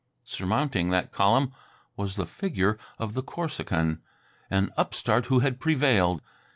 Surmounting that column was the figure of the Corsican. An upstart who had prevailed!